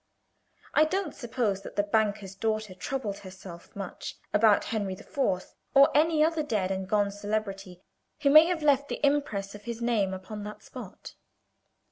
I don't suppose that the banker's daughter troubled herself much about Henry the Fourth, or any other dead and gone celebrity who may have left the impress of his name upon that spot.